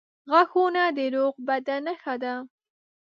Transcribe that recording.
• غاښونه د روغ بدن نښه ده.